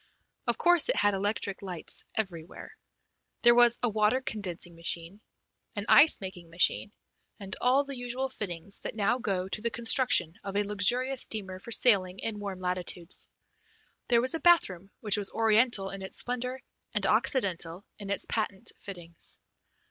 Of course it had electric lights everywhere. There was a water condensing machine, an ice making machine, and all the usual fittings that now go to the construction of a luxurious steamer for sailing in warm latitudes. There was a bathroom which was Oriental in its splendour and Occidental in its patent fittings.